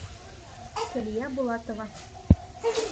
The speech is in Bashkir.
Сәлиә БУЛАТОВА.